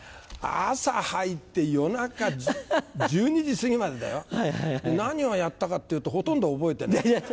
朝入って夜中１２時過ぎまでだよ。何をやったかっていうとほとんど覚えてない。